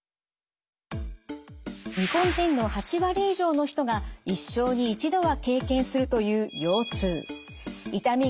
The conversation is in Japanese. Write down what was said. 日本人の８割以上の人が一生に一度は経験するという腰痛。